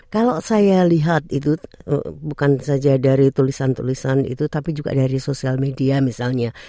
kalau saya lihat itu bukan saja dari tulisan tulisan itu tapi juga dari sosial media misalnya